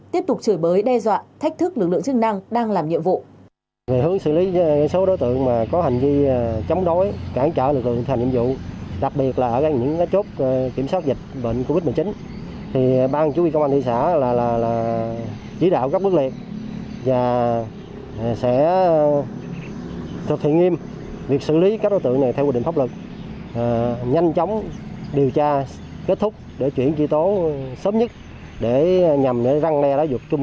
tiếp tục sửa bới đe dọa thách thức lực lượng chức năng đang làm nhiệm vụ